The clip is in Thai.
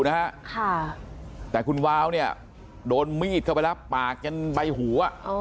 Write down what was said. ไบหน้าอยู่นะฮะแต่คุณวาวเนี่ยโดนมีดเข้าไปแล้วปากจากใบหู